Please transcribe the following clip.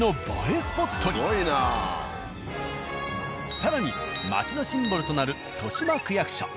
更に街のシンボルとなる豊島区役所。